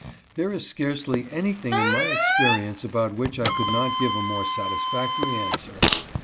There is scarcely anything in my experience about which I could not give a more satisfactory answer.